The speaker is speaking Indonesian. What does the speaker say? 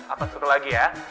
apa seru lagi ya